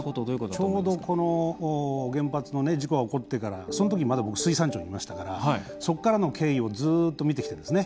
ちょうど原発の事故が起こってから、そのとき、まだ僕水産庁にいましたからそこからの経緯をずっと見てきたんですね。